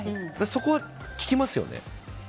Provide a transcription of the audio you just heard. そこは聞きますよね。